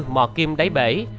mò kim đáy bể